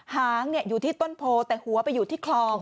หางอยู่ที่ต้นโพแต่หัวไปอยู่ที่คลอง